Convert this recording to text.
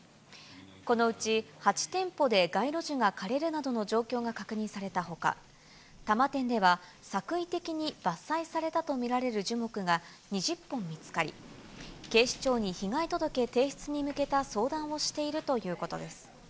このうち８店舗で街路樹が枯れるなどの状況が確認されたほか、多摩店では、作為的に伐採されたと見られる樹木が２０本見つかり、警視庁に被害届提出に向けた相談をしているということです。